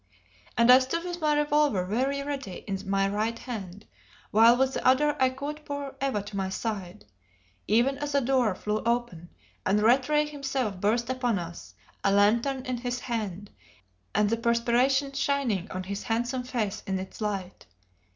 And I stood with my revolver very ready in my right hand, while with the other I caught poor Eva to my side, even as a door flew open, and Rattray himself burst upon us, a lantern in his hand, and the perspiration shining on his handsome face in its light.